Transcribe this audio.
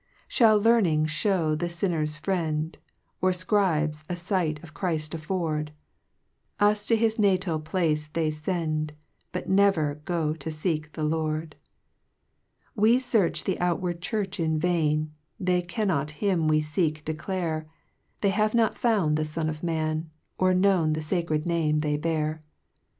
3 Shall learning flicw the tinner's Friend, Or fciibes a Oght of Chrift afford ? Us to his natal place they fend, But never go to feek the Loud. 4 We Search thG outward Church in vain, They cannot him avc feck declare, They have not found the Son of Man, Or known the facred name they bear.